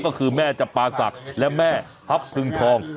ก็คือแม่จับปาศักดิ์และแม่ทัพพึงทอง